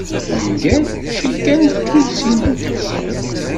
Ungal, mačči kan d tulsin n teqsiṭ.